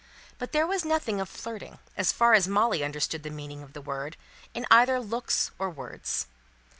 But there was nothing of flirting, as far as Molly understood the meaning of the word, in either looks or words.